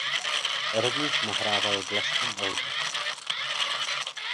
Rovněž nahrával vlastní alba.